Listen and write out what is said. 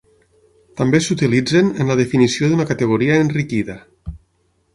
També s'utilitzen en la definició d'una categoria enriquida.